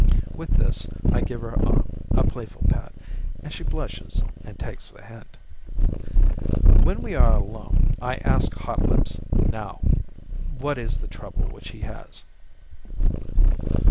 With this, I give her arm a playful pat, and she blushes and takes the hint. When we are alone, I ask Hotlips, now what is the trouble which he has.